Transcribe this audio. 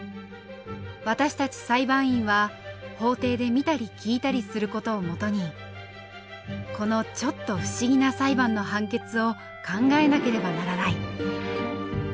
私たち裁判員は法廷で見たり聞いたりする事を基にこのちょっと不思議な裁判の判決を考えなければならない。